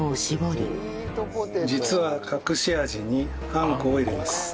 実は隠し味にあんこを入れます。